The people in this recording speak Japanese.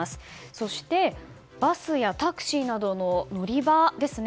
そして、バスやタクシーなどの乗り場ですね。